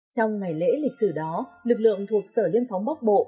trong ngày lễ lịch sử đó lực lượng thuộc sở liên phóng bóc bộ